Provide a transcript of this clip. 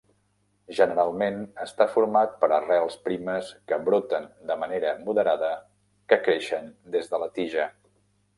Generalment està format per arrels primes que broten de manera moderada que creixen des de la tija.